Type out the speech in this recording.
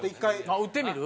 あっ打ってみる？